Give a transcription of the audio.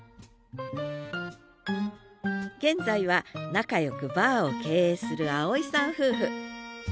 現在は仲よくバーを経営する青井さん夫婦。